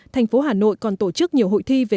thành phố hà nội còn tổ chức nhiều hội thi về